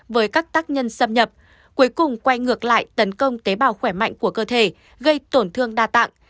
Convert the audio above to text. với các tác nhân xâm nhập cuối cùng quay ngược lại tấn công tế bào khỏe mạnh của cơ thể gây tổn thương đa tạng